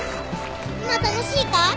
今楽しいか？